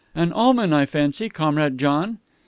"An omen, I fancy, Comrade John."